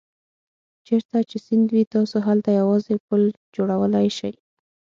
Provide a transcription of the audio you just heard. چېرته چې سیند وي تاسو هلته یوازې پل جوړولای شئ.